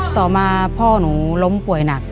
ต่อมาพ่อหนูล้มป่วยหนัก